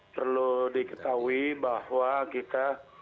perlu diketahui bahwa kita